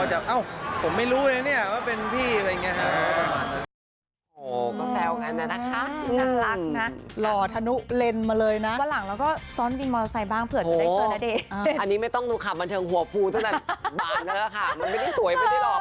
ก็จะเอ้าผมไม่รู้เลยนะเนี่ยว่าเป็นพี่อะไรอย่างนี้เริ่มสอดสาธารณะด้วย